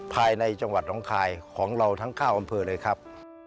ภายในจังหวัดน้องคายของเราทั้ง๙อำเภอเลยครับ